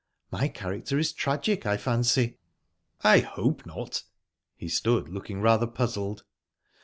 My character is tragic, I fancy." "I hope not." He stood looking rather puzzled..."